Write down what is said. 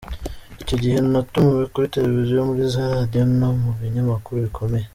Icyo gihe natumiwe kuri Televiziyo, muri za Radio no mu binyamakuru bikomeye.